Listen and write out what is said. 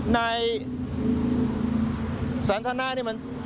นายสันทนานี่มัน